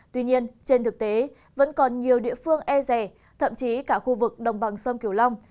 tuy nhiên trên thực tế vẫn còn nhiều địa phương e rè thậm chí cả khu vực đồng bằng sông kiều long